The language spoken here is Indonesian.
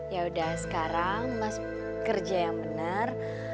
yaudah sekarang mas kerja yang benar